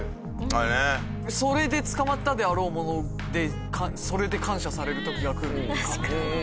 それで捕まったであろうものでそれで感謝される時がくるのかみたいな。